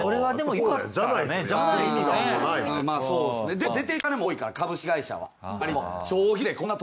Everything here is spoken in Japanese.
でも出ていく金も多いから株式会社はわりと。